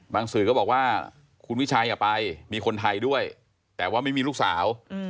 สื่อก็บอกว่าคุณวิชัยไปมีคนไทยด้วยแต่ว่าไม่มีลูกสาว